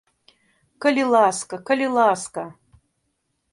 Калі ласка, калі ласка!